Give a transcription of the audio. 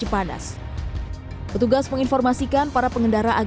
bapak berapa orang ini